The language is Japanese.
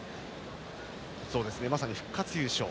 まさに復活優勝。